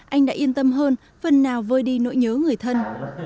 anh đã yên tâm hơn phần nào vơi đi nỗi nhớ người thân